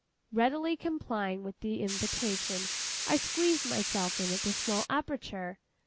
Readily complying with the invitation, I squeezed myself in at the small aperture.